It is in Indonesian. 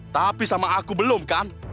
tapi sama aku belum kan